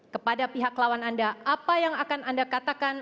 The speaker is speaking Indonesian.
kepada pihak lawan anda apa yang akan anda katakan